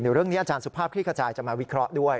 เรื่องนี้อาจารย์สุภาพคลิกระจายจะมาวิเคราะห์ด้วย